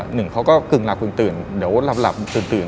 หนึ่งเขาก็กึ่งหลับกึ่งตื่นเดี๋ยวหลับตื่น